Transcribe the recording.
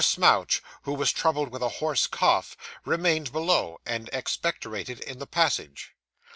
Smouch, who was troubled with a hoarse cough, remained below, and expectorated in the passage.